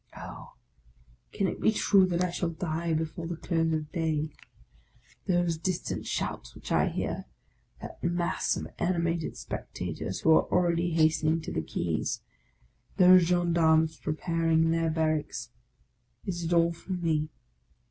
Oh ! can it be true that I shall die before the close of day ? Those distant shouts which I hear, that mass of animated spectators who are already hastening to the Quays, those gen darmes preparing in their barracks, — is it all for me